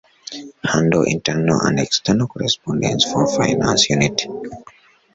Handle internal and external correspondence from Finance unit